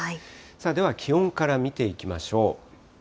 では気温から見ていきましょう。